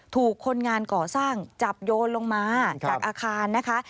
ถูกคนงานก่อสร้างจับโยนลงมาจากอาคารนะคะ